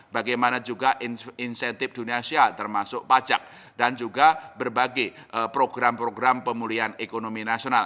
bagaimana juga insentif dunia sosial termasuk pajak dan juga berbagai program program pemulihan ekonomi nasional